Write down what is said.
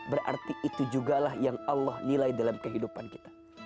berarti itu jugalah yang allah nilai dalam kehidupan kita